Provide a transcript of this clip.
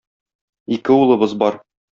Ике улыбыз бар.